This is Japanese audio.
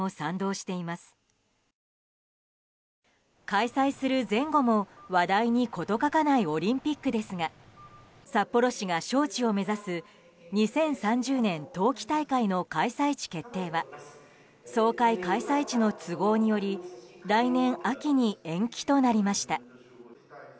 開催する前後も話題に事欠かないオリンピックですが札幌市が招致を目指す２０３０年冬季大会の開催地決定は総会開催地の都合により来年秋に延期となりました。